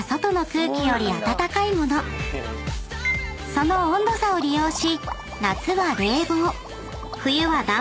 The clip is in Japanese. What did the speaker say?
［その温度差を利用し］